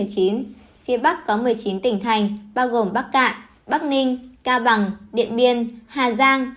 phía bắc có một mươi chín tỉnh thành bao gồm bắc cạn bắc ninh cao bằng điện biên hà giang